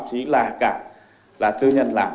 chỉ là cả là tư nhân làm